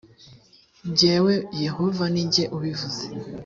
jyewe yehova ni jye ubivuze